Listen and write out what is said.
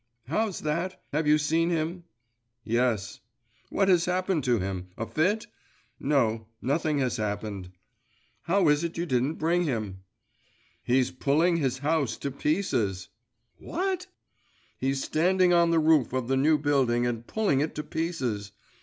'How's that? Have you seen him?' 'Yes.' 'What has happened to him? A fit?' 'No; nothing has happened.' 'How is it you didn't bring him?' 'He's pulling his house to pieces.' 'What?' 'He's standing on the roof of the new building, and pulling it to pieces.